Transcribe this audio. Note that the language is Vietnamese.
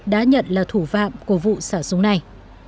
đã nhận là thủ phạm của vụ xả súng này